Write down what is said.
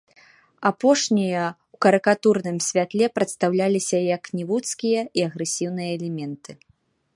Апошнія ў карыкатурным святле прадстаўляліся як невуцкія і агрэсіўныя элементы.